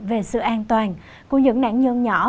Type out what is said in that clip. về sự an toàn của những nạn nhân nhỏ